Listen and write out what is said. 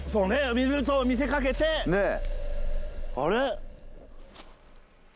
水と見せかけてねえあれ？